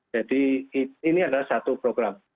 jadi ini adalah satu program